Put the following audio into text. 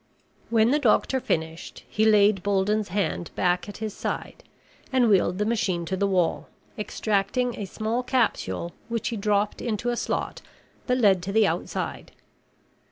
When the doctor finished, he laid Bolden's hand back at his side and wheeled the machine to the wall, extracting a small capsule which he dropped into a slot that led to the outside.